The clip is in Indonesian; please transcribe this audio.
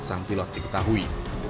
sang pilot diketahui